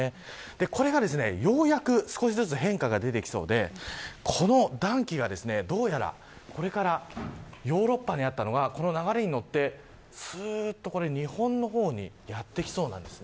これがようやく少しずつ変化が出てきそうでこの暖気が、どうやらヨーロッパにあったのが流れに乗って日本の方にやってきそうなんです。